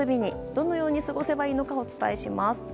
どのように過ごせばいいのかお伝えします。